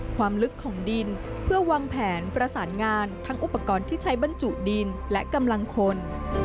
ความลึกของดินเพื่อวางแผนประสานงานทั้งอุปกรณ์ที่ใช้บรรจุดินและกำลังคน